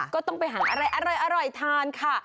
ก็ต้องไปหาอะไรอร่อยทานค่ะ